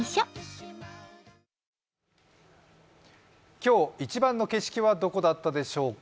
今日一番の景色はどこだったでしょうか。